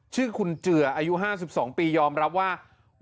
ชื่อคุณเจืออายุ๕๒ปียอมรับว่า